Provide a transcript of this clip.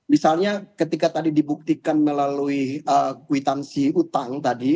misalnya ketika tadi dibuktikan melalui kwitansi utang tadi